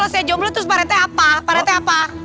emang kalau saya jomblo terus paretnya apa paretnya apa